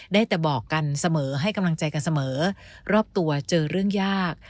ได้แต่บอกกันเสมอให้กำลังใจกันเสมอรอบตัวเจอเรื่องยาก